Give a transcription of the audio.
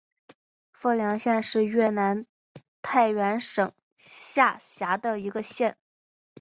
富良县是越南太原省下辖的一个县。